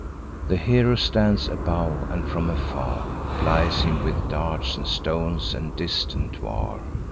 The hero stands above, and from afar Plies him with darts, and stones, and distant war.